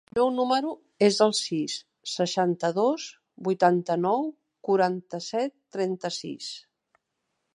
El meu número es el sis, seixanta-dos, vuitanta-nou, quaranta-set, trenta-sis.